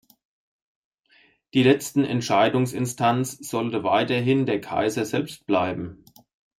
Die letzte Entscheidungsinstanz sollte weiterhin der Kaiser selbst bleiben.